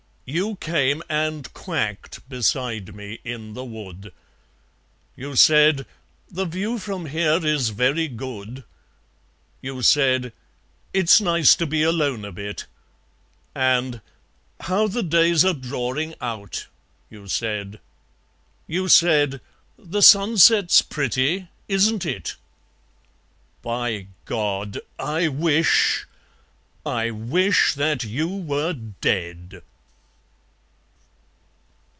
You came and quacked beside me in the wood. You said, "The view from here is very good!" You said, "It's nice to be alone a bit!" And, "How the days are drawing out!" you said. You said, "The sunset's pretty, isn't it?" By God! I wish I wish that you were dead!